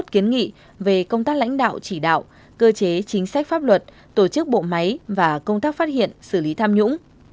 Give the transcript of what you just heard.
kiến nghị về công tác lãnh đạo chỉ đạo cơ chế chính sách pháp luật tổ chức bộ máy và công tác phát hiện xử lý tham nhũng